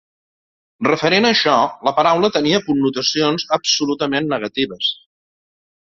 Referent a això, la paraula tenia connotacions absolutament negatives.